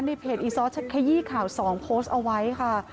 เพจอีซอสขยี้ข่าว๒โพสต์เอาไว้ค่ะ